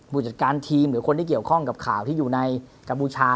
ผู้จัดการทีมหรือคนที่เกี่ยวข้องกับข่าวที่อยู่ในกัมพูชา